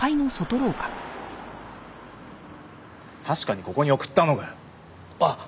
確かにここに送ったのかよ？